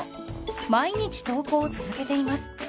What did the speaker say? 毎日投稿を続けています。